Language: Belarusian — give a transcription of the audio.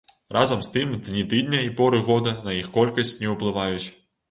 Разам з тым дні тыдня і поры года на іх колькасць не ўплываюць.